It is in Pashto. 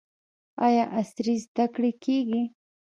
آیا عصري زده کړې کیږي؟